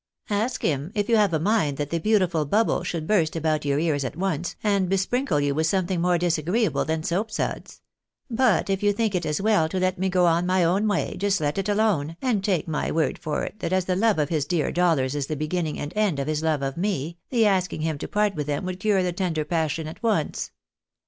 Ask him, if you have a mind that the beautiful bubble should burst about your ears at once, and besprinkle you with something more disagreeable than soap suds ; but if you think it as well to let me go on my own way, just let it alone, and take my word for it that as the love of his dear dollars is the beginning and end of his love of me, the asking him to part with them would cure the tender passion at once.